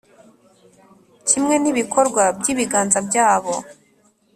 kimwe n’ibikorwa by’ibiganza byabo.